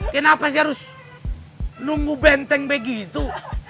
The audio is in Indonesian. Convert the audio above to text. kenapa sih harus nunggu benteng begitu